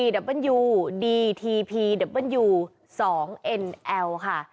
ถ้าใครจะได้รับคำสั่งของคุณค่ะ